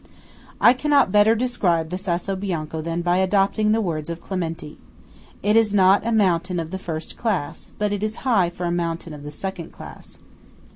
I cannot better describe the Sasso Bianco than by adopting the words of Clementi. It is not a mountain of the first class; but it is high for a mountain of the second class.